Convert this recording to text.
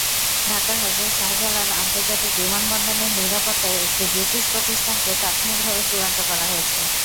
ঢাকার হজরত শাহজালাল আন্তর্জাতিক বিমানবন্দরের নিরাপত্তায় একটি ব্রিটিশ প্রতিষ্ঠানকে প্রাথমিকভাবে চূড়ান্ত করা হয়েছে।